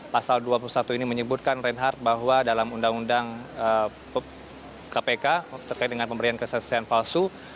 pasal dua puluh satu ini menyebutkan reinhardt bahwa dalam undang undang kpk terkait dengan pemberian kesaksian palsu